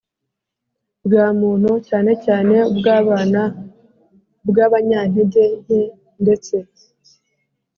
bwa muntu, cyanecyane ubw'abana, ubw'abanyantege nke ndetse